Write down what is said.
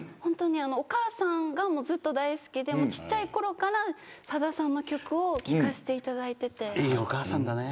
お母さんがずっと大好きでちっちゃいころからさださんの曲を聞かせていただいていて。